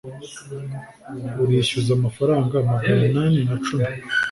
urishyura amafaranga magana inani na cumi